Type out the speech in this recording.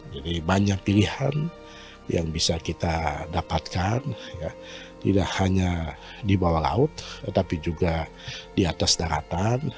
jadi banyak pilihan yang bisa kita dapatkan tidak hanya di bawah laut tapi juga di atas daratan